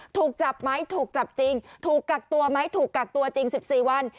ถูกจับไหมถูกจับจริงถูกกักตัวไหมถูกกักตัวจริง๑๔วัน